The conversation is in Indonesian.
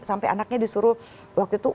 sampai anaknya disuruh waktu itu